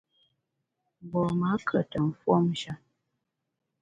Mgbom-a kùete mfuomshe.